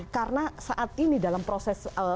karena saat ini dalam proses